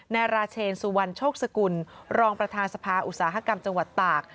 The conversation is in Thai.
นายราเชนสุวรรณโชคสกุลรองประธานสภาอุตสาหกรรมจังหวัดตาก